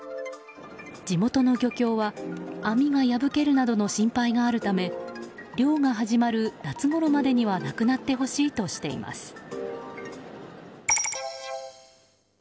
地元の漁港は網が破けるなどの心配があるため漁が始まる夏ごろまでにはなくなってほしいとしています。